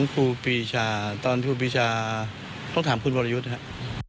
ครูปีชาตอนครูปีชาต้องถามคุณวรยุทธ์ครับ